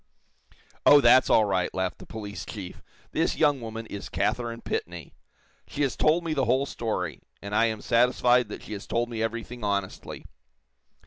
"Oh, that's all right," laughed the police chief. "This young woman is Katharine Pitney. She has told me the whole story, and I am satisfied that she has told me everything honestly.